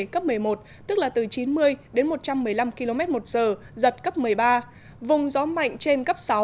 cấp một mươi một tức là từ chín mươi đến một trăm một mươi năm km một giờ giật cấp một mươi ba vùng gió mạnh trên cấp sáu